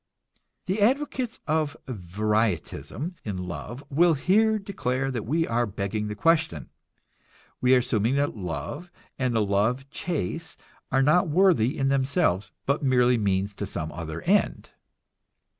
The advocates of varietism in love will here declare that we are begging the question. We are assuming that love and the love chase are not worthy in themselves, but merely means to some other end.